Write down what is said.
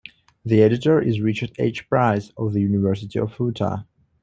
The editor is Richard H. Price of the University of Utah.